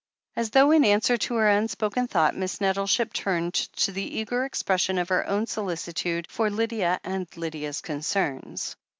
As though in answer to her unspoken thought, Miss Nettleship turned to the eager expression of her own solicitude for Lydia and Lydia's concerns.